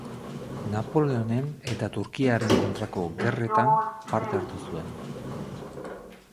Napoleonen eta Turkiaren kontrako gerretan parte hartu zuen.